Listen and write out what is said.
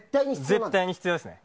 絶対に必要ですね。